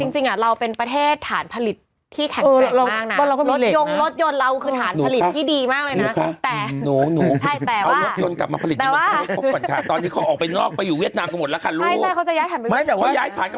จริงเราเป็นประเทศฐานผลิตที่แข็งแกร่งมากนะ